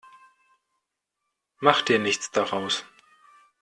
Mach dir nichts daraus.